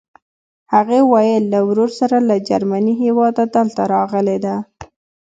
هغې ویل له ورور سره له جرمني هېواده دلته راغلې ده.